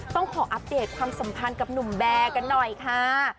ต้องขออัปเดตความสัมพันธ์กับหนุ่มแบร์กันหน่อยค่ะ